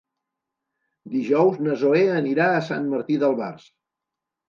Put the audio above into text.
Dijous na Zoè anirà a Sant Martí d'Albars.